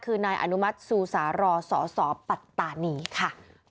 คือนายอนุมัติซูสารสสปัตตานีค่ะ